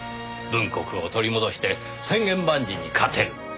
『文国』を取り戻して『千言万辞』に勝てる。